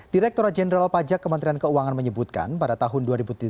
direkturat jenderal pajak kementerian keuangan menyebutkan pada tahun dua ribu tujuh belas